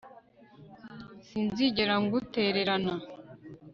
Sinzigera ngutererana